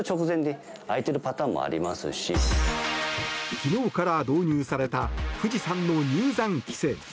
昨日から導入された富士山の入山規制。